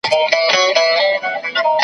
نه دا چې پردي روایتونه ورباندې وتپل شي